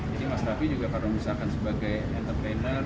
jadi mas tafi juga kalau misalkan sebagai entrepreneur